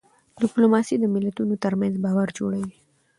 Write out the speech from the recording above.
ډيپلوماسي د ملتونو ترمنځ باور جوړوي.